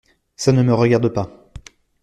Ca ne me regarde pas…